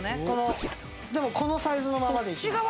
でもこのサイズのままでいきます。